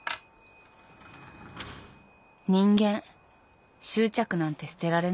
・人間執着なんて捨てられないわ。